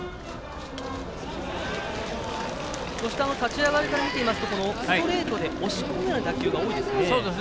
そして立ち上がりから見ていますとストレートで押し込むような打球が多いですね。